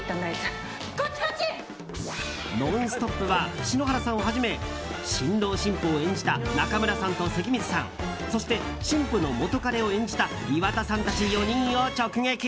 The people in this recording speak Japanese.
「ノンストップ！」は篠原さんをはじめ新郎・新婦を演じた中村さんと関水さんそして新婦の元カレを演じた岩田さんたち４人を直撃。